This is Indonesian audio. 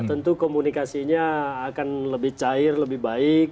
tentu komunikasinya akan lebih cair lebih baik